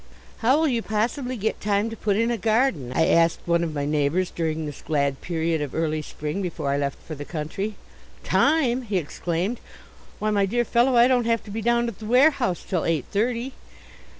"How will you possibly get time to put in a garden?" I asked of one of my neighbours during this glad period of early spring before I left for the country. "Time!" he exclaimed. "Why, my dear fellow, I don't have to be down at the warehouse till eight thirty."